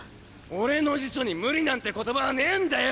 俺の辞書に無理なんて言葉はねぇんだよ！